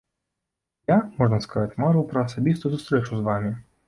Я, можна сказаць, марыў пра асабістую сустрэчу з вамі.